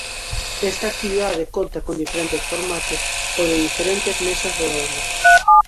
Esta actividade conta con diferentes formatos: o de diferentes mesas redondas.